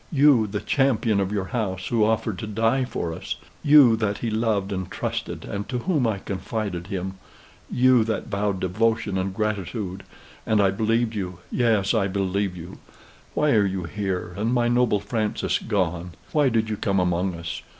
You, the champion of your house, who offered to die for us! You that he loved and trusted, and to whom I confided him you that vowed devotion and gratitude, and I believed you yes, I believed you why are you here, and my noble Francis gone? Why did you come among us?